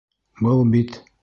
Был бит!..